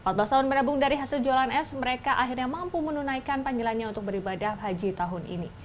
empat belas tahun menabung dari hasil jualan es mereka akhirnya mampu menunaikan panggilannya untuk beribadah haji tahun ini